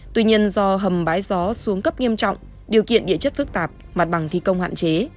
tuy nhiên do hầm bãi gió xuống cấp nghiêm trọng điều kiện địa chất phức tạp mặt bằng thi công hạn chế